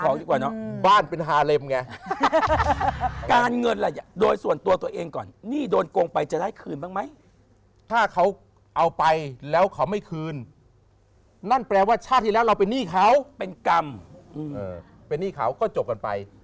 ออกบุตรขายของดีกว่าเนอะบ้านเป็นฮาเรมไง